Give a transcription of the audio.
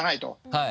はい。